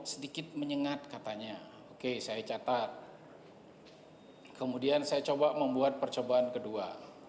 sedikit menyengat katanya oke saya catat kemudian saya coba membuat percobaan kedua